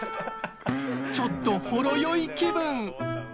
ちょっとほろ酔い気分